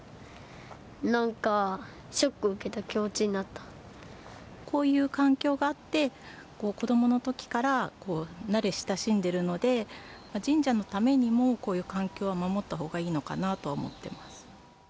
なんか、ショック受けた気持になこういう環境があって、子どものときから慣れ親しんでるので、神社のためにも、こういう環境は守ったほうがいいのかなとは思ってます。